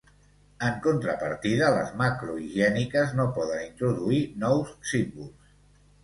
En contrapartida, les macros higièniques no poden introduir nous símbols.